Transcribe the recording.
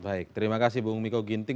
baik terima kasih bung miko ginting